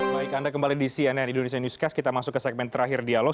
baik anda kembali di cnn indonesia newscast kita masuk ke segmen terakhir dialog